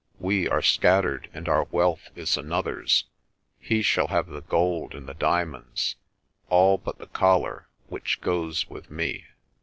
We are scattered and our wealth is another's. He shall have the gold and the diamonds all but the Collar, which goes with me."